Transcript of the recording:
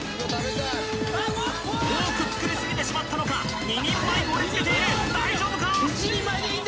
多く作りすぎてしまったのか２人前盛りつけている大丈夫か？